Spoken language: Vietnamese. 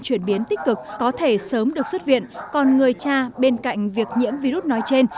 chuyển biến tích cực có thể sớm được xuất viện còn người cha bên cạnh việc nhiễm virus nói trên